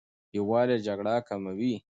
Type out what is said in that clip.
یووالی جګړه کموي.